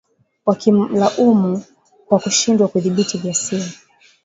wakimlaumu kwa kushindwa kudhibiti ghasia